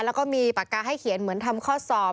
แล้วก็มีปากกาให้เขียนเหมือนทำข้อสอบ